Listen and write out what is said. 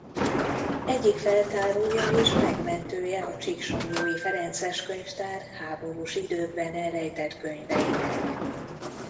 Egyik feltárója és megmentője a csíksomlyói ferences könyvtár háborús időkben elrejtett könyveinek.